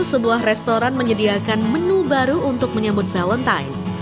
sebuah restoran menyediakan menu baru untuk menyambut valentine